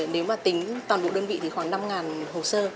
nếu tính toàn bộ đơn vị khoảng năm hồ sơ